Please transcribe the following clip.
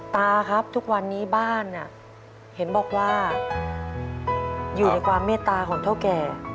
ตาครับทุกวันนี้บ้านเห็นบอกว่าอยู่ในความเมตตาของเท่าแก่